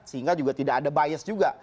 sehingga juga tidak ada bias juga